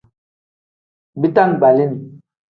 Bitangbalini.